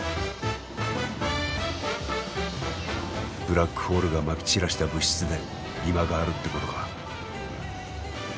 ブラックホールがまき散らした物質で今があるってことか。